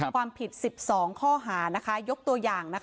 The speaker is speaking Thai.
ความผิด๑๒ข้อหายกตัวอย่าง